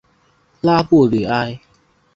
拉布吕埃。